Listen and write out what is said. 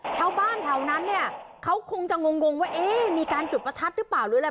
ชาวบ้านแถวนั้นเนี่ยเขาคงจะงงว่าเอ๊ะมีการจุดประทัดหรือเปล่าหรืออะไร